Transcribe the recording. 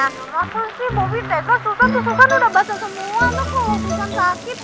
maksudnya bobi tegas